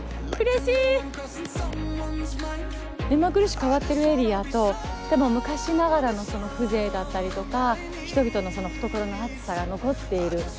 目まぐるしく変わっているエリアとでも昔ながらの風情だったりとか人々の懐のあつさが残っている。